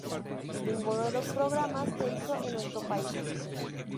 Ninguno de los programas se hizo en nuestro país.